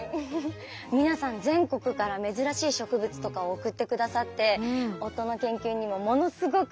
皆さん全国から珍しい植物とかを送ってくださって夫の研究にもものすごく役立ってるんです。